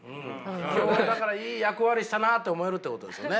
今日はだからいい役割したなって思えるってことですね。